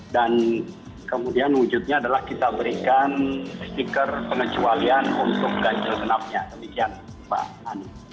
dan kemudian wujudnya adalah kita berikan stiker pengecualian untuk ganjil senapnya demikian pak hanum